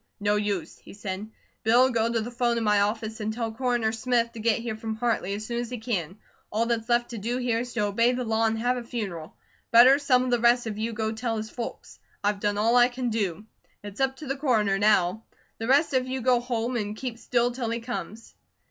"No use," he said. "Bill, go to the 'phone in my office, and tell Coroner Smith to get here from Hartley as soon as he can. All that's left to do here is to obey the law, and have a funeral. Better some of the rest of you go tell his folks. I've done all I can do. It's up to the Coroner now. The rest of you go home, and keep still till he comes."